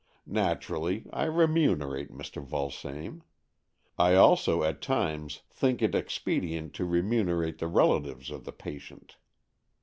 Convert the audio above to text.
Naturally I remunerate Mr. Vulsame. I also at times think it expedient to remunerate the relatives of the patient.